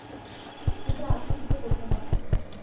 কিন্তু এখন থেকে করতে হবে।